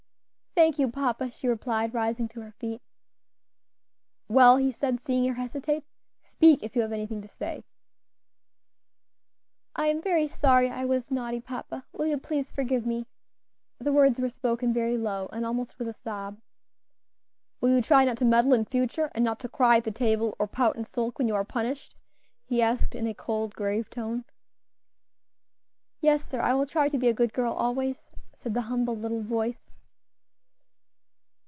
"Thank you, papa," she replied, rising to her feet. "Well," he said, seeing her hesitate, "speak, if you have anything to say." "I am very sorry I was naughty, papa. Will you please forgive me?" The words were spoken very low, and almost with a sob. "Will you try not to meddle in future, and not to cry at the table, or pout and sulk when you are punished?" he asked in a cold, grave tone. "Yes, sir, I will try to be a good girl always," said the humble little voice.